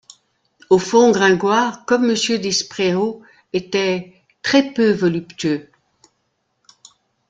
Au fond, Gringoire, comme Monsieur Despréaux, était « très peu voluptueux ».